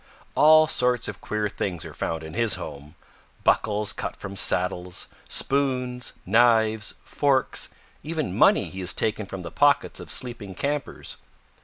All sorts of queer things are found in his home buckles cut from saddles, spoons, knives, forks, even money he has taken from the pockets of sleeping campers.